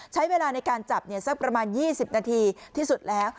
ใช้เวลาในการจับสักประมาณ๒๐นาทีที่สุดแล้ว